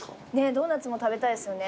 ドーナツも食べたいですよね。